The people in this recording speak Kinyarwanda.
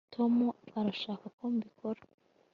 tom arashaka ko mbikora